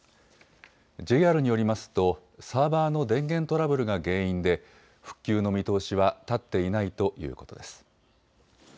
ＪＲによりますとサーバーの電源トラブルが原因で復旧の見通しは立っていないということです。